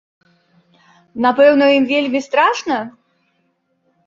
Напэўна, ім вельмі страшна?